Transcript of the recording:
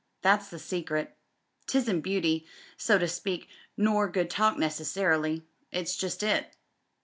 That's the secret. 'Tisn't beauty, so to speak, nor good talk necessarily. It's just It.